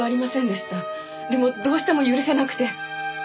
でもどうしても許せなくて。